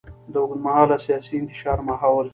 د اوږدمهاله سیاسي انتشار ماحول.